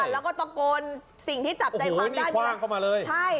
แล้วก็ตะโกนสิ่งที่จับใจความด้านนี้